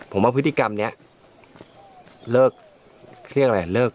ผมว่าพฤติกรรมนี้